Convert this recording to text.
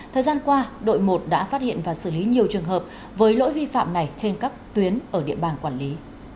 thời gian qua đội một đã phát hiện và xử lý nhiều trường hợp với lỗi vi phạm này trên các tuyến ở địa bàn quản lý